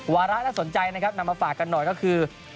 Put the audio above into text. วาระน่าสนใจนะครับนำมาฝากกันหน่อยก็คือ